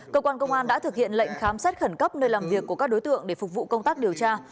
cơ quan công an đã thực hiện lệnh khám xét khẩn cấp nơi làm việc của các đối tượng để phục vụ công tác điều tra